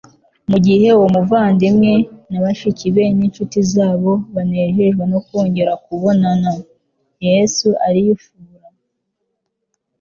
Mu gihe uwo muvandimwe na bashiki be n'incuti zabo banejejwe no kongera kubonana, Yesu ariyufura.